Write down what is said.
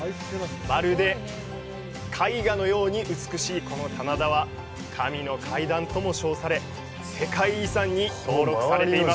まるで絵画のように美しいこの棚田は神の階段とも称され世界遺産に登録されています。